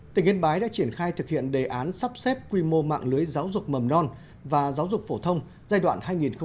tỉnh yên bái đã triển khai thực hiện đề án sắp xếp quy mô mạng lưới giáo dục mầm non và giáo dục phổ thông giai đoạn hai nghìn một mươi chín hai nghìn hai mươi năm